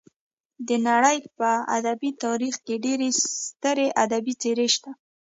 د نړۍ په ادبي تاریخ کې ډېرې سترې ادبي څېرې شته.